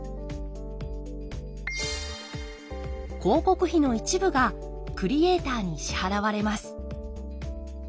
広告費の一部がクリエーターに支払われます。